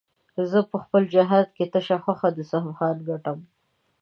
زه په خپل جهاد کې تشه خوښه د سبحان ګټم